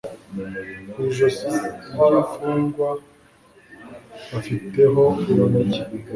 Ku ijosi ryimfungwa bafiteho urunigi